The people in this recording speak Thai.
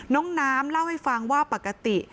น้องน้ำเล่าให้ฟังว่าปกติ